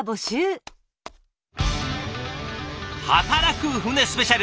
働く船スペシャル。